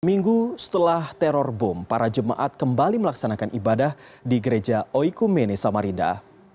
minggu setelah teror bom para jemaat kembali melaksanakan ibadah di gereja oikumene samarinda